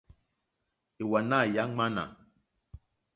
Èwànâ yà ŋwánà.